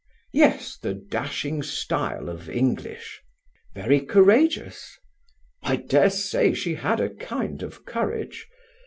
"Yes; the dashing style of English." "Very courageous." "I dare say she had a kind of courage."